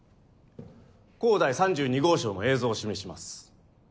甲第３２号証の映像を示します。